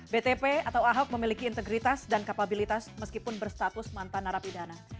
btp atau ahok memiliki integritas dan kapabilitas meskipun berstatus mantan narapidana